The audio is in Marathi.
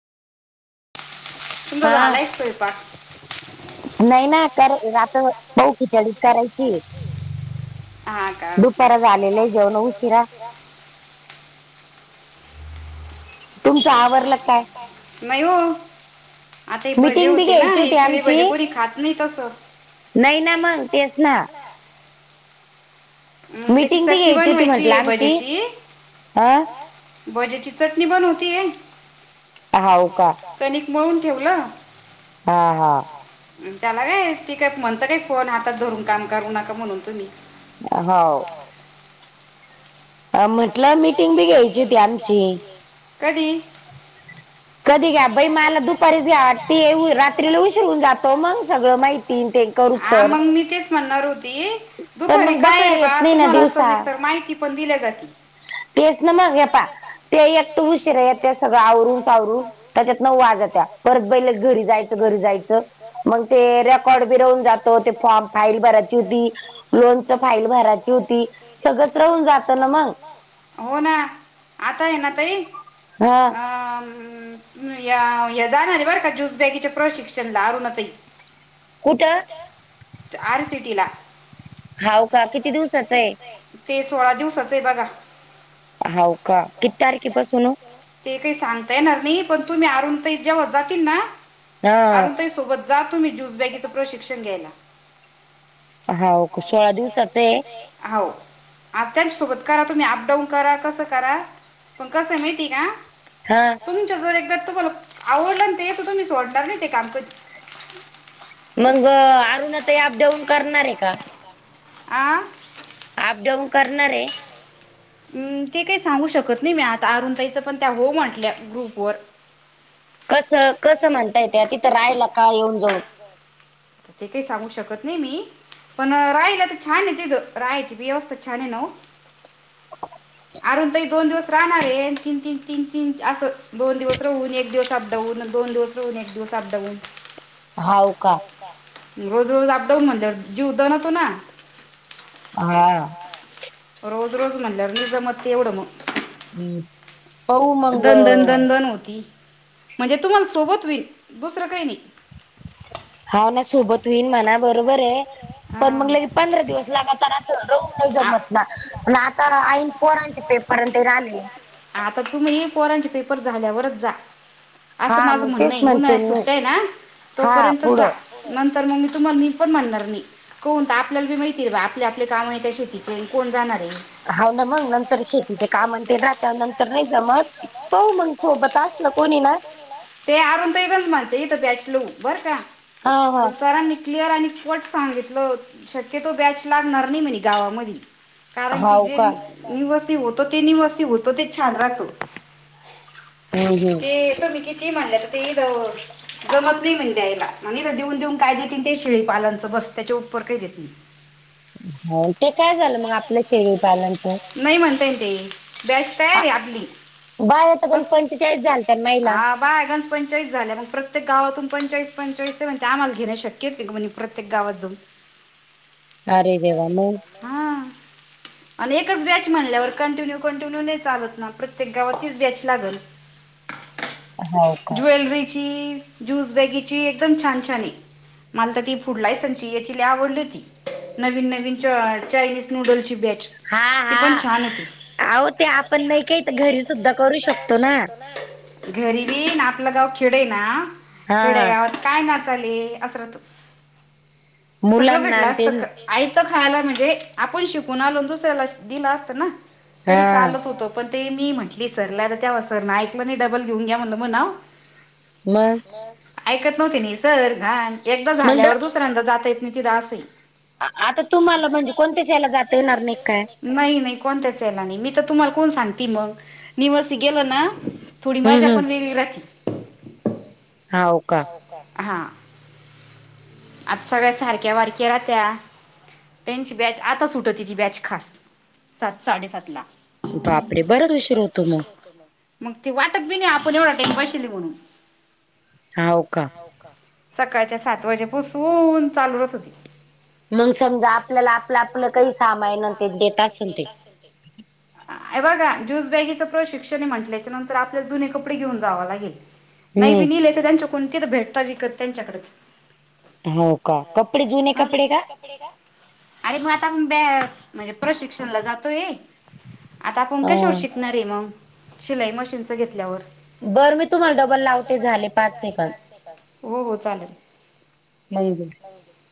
तुमचा झालाय स्वयंपाक, नाही ना कर आता पाहु खिचडी करायची. हा का.... तुमचं आवरलं काय? नाही हो आता हे भजी होते ना हे शिळी भजीपुरी खात नाही तसं नाही ना मंग तेचना. हम् चटणी बनवायची भज्याची भज्याची चटणी बनवती आहं. हाव का... कणिक मळून ठेवलं. त्याला काय ती काय म्हणत काय फोन हातात धरून काम करू नका म्हणून तुम्ही हाव... अ म्हटलं मीटिंग भी घ्यायची होती आमची. कधी. कधी घ्या बाई मला दुपारीच घ्या रात्रीला उशरून जातो मंग सगळं माहिती. तीन ते करूच तर. म्हणणार होती दुपारी कस आहे रे बा तुम्हाला सविस्तर माहिती पण दिल्या जाती. तेचना मग हे पहा. ते एकत उशीरा येत्यात सगळं आवरून सावरून त्याच्यात नऊ वाजत्यात तर पहिले घरी जायचं घरी जायचं अ मग ते रेकॉर्ड भी राहुन जात ते फॉम फाईल भरायची होती. लोनच फाईल भरायची होती सगळंच राहून जात ना मग हो ना आता हे ना ताई अ अ म या जाणार बरका ज्यूस पॅकिंगच्या प्रशिक्षणाला अरुणा ताई कुठ आर सिटिला हो का? किती दिवसाचं आहे. ते सोळा दिवसाच आहे बघा हाऊ का किती तारखे पासून ते काही सांगता येणार नाही पण तुम्ही अरुताई जेव्हा जातील ना अरुताई सोबत जा तुम्ही मी ज्युस पॅकिंग प्रशिक्षण घ्यायला हाऊ कुश हाऊ आता त्याच्या सोबत करा तुम्ही अपडाऊन करा कसं करा पण कस माहित का हा तुमच जर एकदा तुम्हाला आवडलं ना ते तर तुम्ही सोडणार नाही ते काम मंग अरुणाताई अपडाऊन करणार हे का? आं अपडाऊन करणारय अ ते काही सांगू शकत नाही मी आता अरुताईच पण त्या हो म्हटल्या ग्रुप वर कसं कसं म्हणता हे त्या तिथं राहायला का येऊन जाऊन ते काही सांगू शकत नाही मी पण राहिल तर छान आहे तिथ राहायची पण व्यवस्था छान हे ना हो अरुण ताई दोन दिवस राहणार आहे तीन तीन तीन तीन असं दोन दिवस राहून एक दिवस अपडाऊन दोन दिवस दोन एक दिवस अपडाउन [unintelligible] हो का? रोज रोज अपडाऊन म्हणल्यावर जीव दणतो ना हा रोज रोज म्हणल्यावर नही जमत येवड मग हम् दन दन दन दन होती म्हणजे तुम्हाला सोबत होईल दुसरं काही नाही हौना, सोबत होईन म्हणा बरोबर हे पण मग लई की पंधरा दिवस लागता अस नाही ना प आता ईन पोरांचे पेपर परंत ते राणी आता तुम्ही पोरांचे पेपर झाल्यावरच जा असं माझं म्हणणं आहे, उन्हाळ्या सुट्ट्या आहे ना तोपर्यंत जा नंतर मग मी तुम्हाला मी पण म्हणणार नही कोणत आपल्याला भी माहिती आहे आपले आपले काम आहे त्या शेतीत कोण जाणार आहे. हाऊ ना मग नंतर शेतीचे काम ते राहते ना त्यानंतर नाही जमत पाहु मग सोबत असलं कोणी ना ते आरून ताई गण म्हणत इथं बॅच लऊ बरं का पण सरांनी क्लिअर आणि पट सांगितलं शक्यतो बॅच लागणार नाही म्हणे गावामध्ये कारण की जे निवासी होतो ते निवासी हो ते छान राहत, ते तुम्ही किती म्हटलं ते जमत नाही म्हण द्यायला म्हग देऊन देऊन काय देतील ते शेळीपालनचं बस त्याच्या उपर काही देत नाहीत. हो ते काय झालं मग? नाही म्हणले ते. बॅस्ट तयारी आहे आपली हा. [inaudible] बाय पंचायत झाल्या मग प्रत्येक गावातून पंचायस पंचायस आमला घे शक्य प्रत्येक गावात जाऊन. [inaudible] हा. आणि एकच बॅच म्हणल्यावर कंटिन्यू कंटिन्यू नाही चालत ना प्रत्येक गावात तीच बॅच लागल. ज्वेलरीची, ज्यूस बॅगीची एकदम छान छान आहे. मला तर ती फुड लायसन आहे सची याची आवडली होती, नवीन नवीन चायनीज नूडल ची बॅच हा हा. अहो ते आपण नाही काही घरी सुुद्धा करू शकतो ना. घरीब ना आपलं गाव खेडे आहे ना खेडे गावात काय नाचाले, असं राहत सगळं भेटलं असतं का? आयतं खायला म्हणजे आपण शिकून आलो दुसऱ्याला दिलं असतं ना तरी चालत होतं. पण ते मी म्हटली सरला तेव सर ना ऐकलं नाही डबल घेऊन घ्या म्हटलं मग ना. मग ऐकत नव्हती नि सर घाण एकदा झाल्यावर दुसऱ्यांदा जाता येत नाही तिथं असे. आता तुम्हाला म्हणजे कोणत्या शाळेला जाता येणार नाही काय? नाही नाही कोणत्याच यायला नाही मी तर तुम्हाला कोण सांगते मग निवासी गेल ना थोडी मज्जा पण वेगळी राहती. हा, आता सगळ्या सारख्या वारक्या राहत्या. त्यांची बॅच आता सुटती ती बॅच खास सात साडेसात ला. बापडे बरच उशीर होतो मग? मग ती वाटत बी नाही आपण एवढा टाइम बशली म्हणून. हा हो का? सकाळच्या सात वाजेपासून चालू होत ते. मग समजा आपल्याला आपलं आपलं काही सामाय न ते देत असेल ते. अ बघा ज्यूस बॅगीचं प्र शिक्षणे म्हटल्या याच्या नंतर आपल्याला जुने कपडे घेऊन जावं लागेल. नाही विनलेत त्यांच्या कोणती तर भेटत विकत त्यांच्याकडेच. हो का कपडे जुने कपडे का? आणि र मग आता म्हणजे प्रशिक्षण ला जातो य आता आपण कशावर शिकणार आहे मग शिलाई मशीनच घेतल्यावर. बर मी तुम्हाला डबल लावते झाले हो हो चालेल. हम्म हम्म.